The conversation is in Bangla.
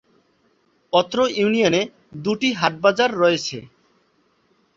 অত্র ইউনিয়নে দুটি হাট-বাজার রয়েছে।